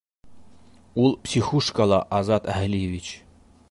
Ул психушкала, Азат Әһлиевич!